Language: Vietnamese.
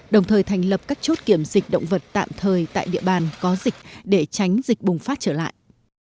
đồng thời thành lập các chốt kiểm dịch động vật tạm thời tại địa bàn có dịch để tránh dịch bùng phát trở lại